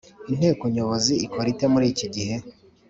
Inteko Nyobozi ikora ite muri iki gihe‽